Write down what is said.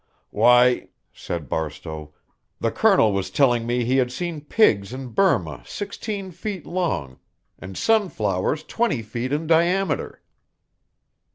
"Why," said Barstowe, "the Colonel was telling me he had seen pigs in Burmah sixteen feet long, and sunflowers twenty feet in diameter."